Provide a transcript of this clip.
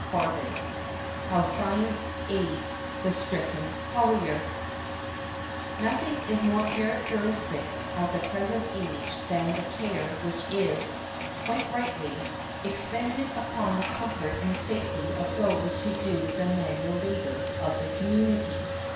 CHAPTER XVII HOW SCIENCE AIDS THE STRICKEN COLLIER Nothing is more characteristic of the present age than the care which is, quite rightly, expended upon the comfort and safety of those who do the manual labour of the community.